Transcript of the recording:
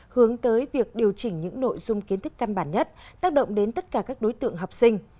hướng tới việc điều chỉnh những nội dung kiến thức căn bản nhất tác động đến tất cả các đối tượng học sinh